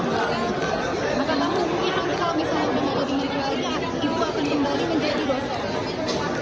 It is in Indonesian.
maka mungkin nanti kalau misalnya udah mau dimiliki aja ibu akan kembali menjadi dosa